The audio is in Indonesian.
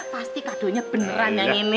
pasti kado nya beneran yang ini